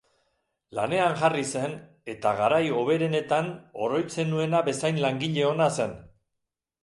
Lanean jarri zen eta garai hoberenetan oroitzen nuena bezain langile ona zen.